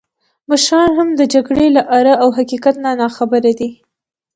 مشران هم د جګړې له آره او حقیقت نه ناخبره دي.